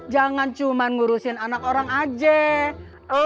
jangan cuman ngurusin anak orang aja